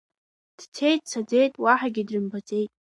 Дцеит, дцаӡеит, уаҳагьы дрымбаӡеит.